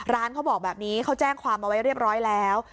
เขาบอกแบบนี้เขาแจ้งความเอาไว้เรียบร้อยแล้ว